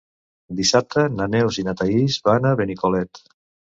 Dissabte na Neus i na Thaís van a Benicolet.